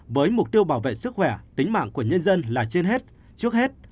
với mục tiêu bảo vệ sức khỏe tính mạng của nhân dân là trên hết trước hết